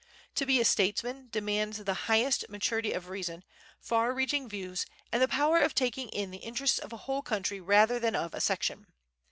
To be a statesman demands the highest maturity of reason, far reaching views, and the power of taking in the interests of a whole country rather than of a section.